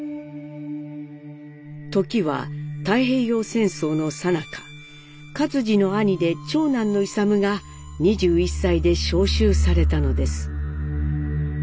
時は太平洋戦争のさなか克爾の兄で長男の勇が２１歳で召集されたのです。